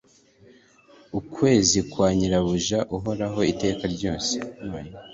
Ukwezi kwa nyirabuja uhoraho iteka ryose,